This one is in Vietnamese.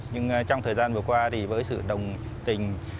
nhưng trong thời gian vừa qua thì với sự đồng tình